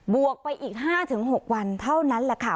วกไปอีก๕๖วันเท่านั้นแหละค่ะ